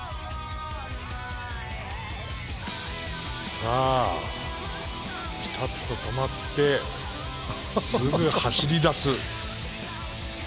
さあぴたっと止まってすぐ走り出す。